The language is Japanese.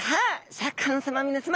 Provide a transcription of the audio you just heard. シャーク香音さま皆さま